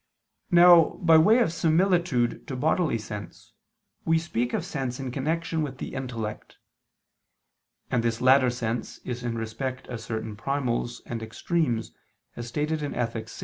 Now, by way of similitude to bodily sense, we speak of sense in connection with the intellect; and this latter sense is in respect of certain primals and extremes, as stated in _Ethic.